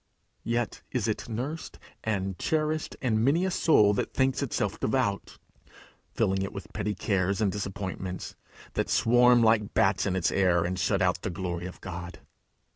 Yet is it nursed and cherished in many a soul that thinks itself devout, filling it with petty cares and disappointments, that swarm like bats in its air, and shut out the glory of God.